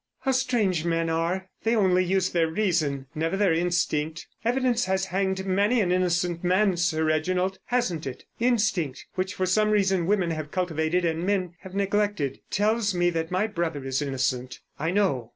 "How strange men are! They only use their reason, never their instinct. Evidence has hanged many an innocent man, Sir Reginald, hasn't it? Instinct—which for some reason women have cultivated and men have neglected—tells me that my brother is innocent. I know.